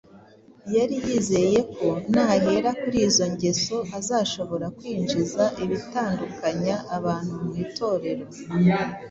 Yari yizeye ko nahera kuri izo ngeso azashobora kwinjiza ibitandukanya abantu mu Itorero.